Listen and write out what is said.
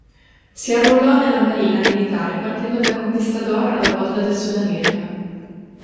Si arruolò nella marina militare partendo da conquistador alla volta del Sudamerica.